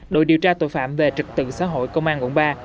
đội điều tra tội phạm về trật tự xã hội công an quận ba